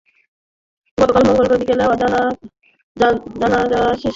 গতকাল মঙ্গলবার বিকেলে জানাজা শেষে তাঁর মরদেহ পারিবারিক কবরস্থানে দাফন করা হয়।